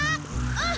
うん！